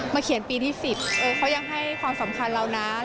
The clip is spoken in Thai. เขียนปีที่๑๐เขายังให้ความสำคัญเรานะ